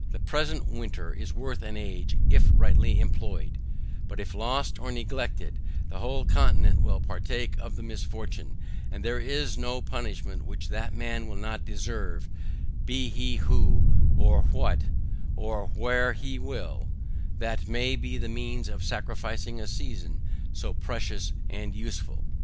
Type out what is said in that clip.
The present winter is worth an age if rightly employed, but if lost or neglected, the whole continent will partake of the misfortune; and there is no punishment which that man will not deserve, be he who, or what, or where he will, that may be the means of sacrificing a season so precious and useful.